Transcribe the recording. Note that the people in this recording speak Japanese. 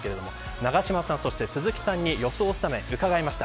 永島さんと鈴木さんに予想スタメンを伺いました。